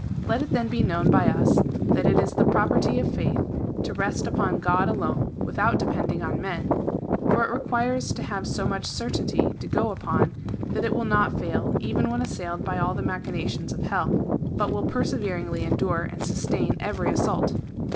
Let it then be known by us that it is the property of faith to rest upon God alone, without depending on men; for it requires to have so much certainty to go upon, that it will not fail, even when assailed by all the machinations of hell, but will perseveringly endure and sustain every assault.